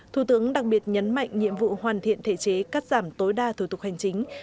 thủ tướng đặc biệt nhấn mạnh nhiệm vụ hoàn thiện thể chế cắt giảm tối đa thủ tục hành chính